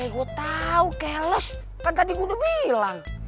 gue tau keles kan tadi gue udah bilang